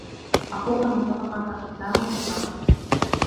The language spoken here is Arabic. أخوك من صَدَقك لا من صدّقك